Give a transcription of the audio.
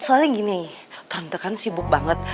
soalnya gini tante kan sibuk banget